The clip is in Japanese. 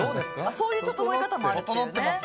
そういうととのい方もあるっていうね。